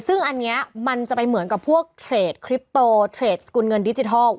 ซึ่งอันนี้มันจะไปเหมือนกับพวกเทรดคลิปโตเทรดสกุลเงินดิจิทัล